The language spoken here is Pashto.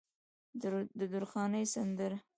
د درخانۍ سندره